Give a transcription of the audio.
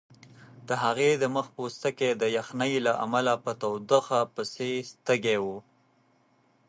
د هغې د مخ پوستکی د یخنۍ له امله په تودوخه پسې تږی و.